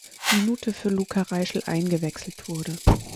Minute für Luka Reischl eingewechselt wurde.